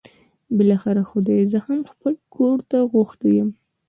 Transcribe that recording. بالاخره خدای زه هم خپل کور ته غوښتی یم.